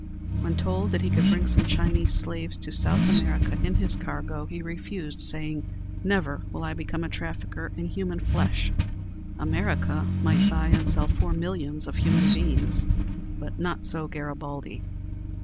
When told that he could bring some Chinese slaves to South America in his cargo, he refused, saying, "Never will I become a trafficker in human flesh." America might buy and sell four millions of human beings, but not so Garibaldi.